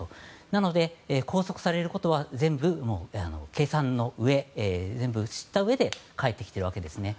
なので、拘束されることは全部、計算のうえ全部知ったうえで帰ってきているわけですね。